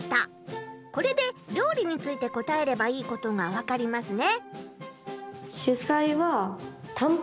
これで料理について答えればいいことが分かりますね。